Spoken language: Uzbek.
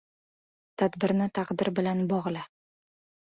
— Tadbirni taqdir bilan bog‘la.